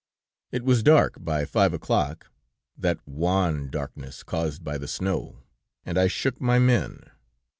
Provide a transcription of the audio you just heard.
"It was dark by five o'clock; that wan darkness caused by the snow, and I shook my men.